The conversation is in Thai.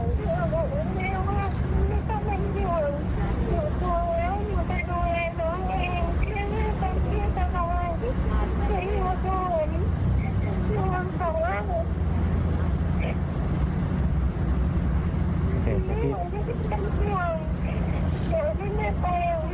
อืม